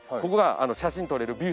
ここが写真撮れる